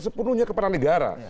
sepenuhnya kepada negara